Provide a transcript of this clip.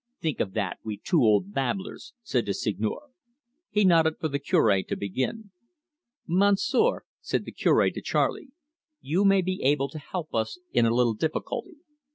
"Think of that we two old babblers!" said the Seigneur. He nodded for the Cure to begin. "Monsieur," said the Cure to Charley, "you maybe able to help us in a little difficulty.